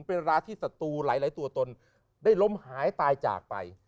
เป็นราที่ศัตรูหลายตัวตนได้ล้มหายตายจากไป